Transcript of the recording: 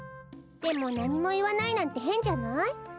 でもなにもいわないなんてへんじゃない？